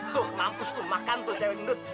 tuh mampus tuh makan tuh cewek gendut